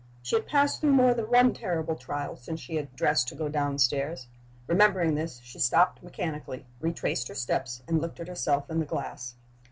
She had passed through more than one terrible trial since she had dressed to go downstairs. Remembering this, she stopped mechanically, retraced her steps, and looked at herself in the glass.